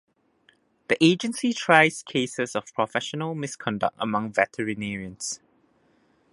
The agency tries cases of professional misconduct among veterinarians.